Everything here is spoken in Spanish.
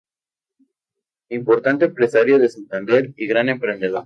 Importante empresario de Santander y gran emprendedor.